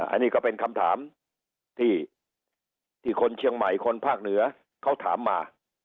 อันนี้ก็เป็นคำถามที่คนเชียงใหม่คนภาคเหนือเขาถามมา